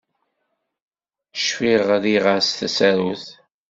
Cfiɣ rriɣ -as tasarut